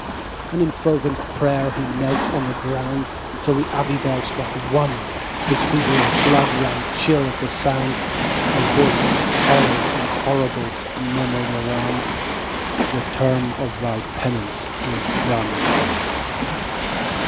8. And in fervent pray'r he knelt on the ground, Till the abbey bell struck One: His feverish blood ran chill at the sound: A voice hollow and horrible murmured around _45 'The term of thy penance is done!'